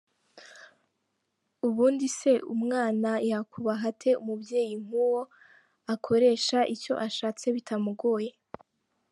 Ubundi se umwana yakubaha ate umubyeyi nk’uwo akoresha icyo ashatse bitamugoye ?.